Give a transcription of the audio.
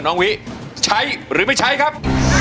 น้องวิใช้หรือไม้ใช้ครับ